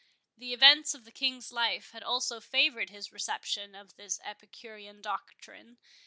The events of the King's life had also favoured his reception of this Epicurean doctrine.